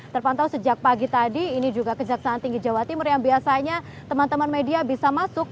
terpantau sejak pagi tadi ini juga kejaksaan tinggi jawa timur yang biasanya teman teman media bisa masuk